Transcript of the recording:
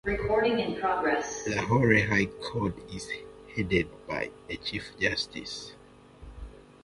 Lahore High Court is headed by a Chief Justice.